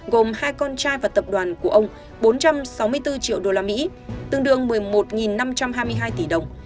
gồm hai con trai và tập đoàn của ông bốn trăm sáu mươi bốn triệu usd tương đương một mươi một năm trăm hai mươi hai tỷ đồng